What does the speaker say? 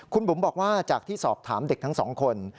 คุณบุ๋มบอกว่าจากที่สอบถามเด็กทั้งสองคน